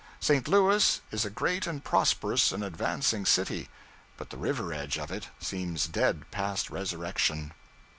St. Louis is a great and prosperous and advancing city; but the river edge of it seems dead past resurrection.